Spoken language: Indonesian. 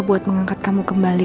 buat mengangkat kamu kembali